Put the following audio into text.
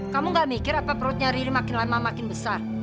kamu gak mikir apa perutnya riri makin lama makin besar